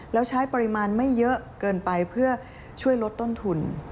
แล้วใช้ปริมาณไม่เยอะเกินไปเพื่อช่วยลดต้นทุน